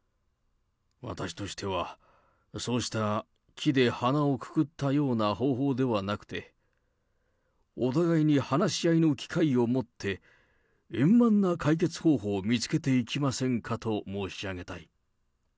私としては、そうした木で鼻をくくったような方法ではなくて、お互いに話し合いの機会を持って、円満な解決方法を見つけていきませんかと申し上げたい。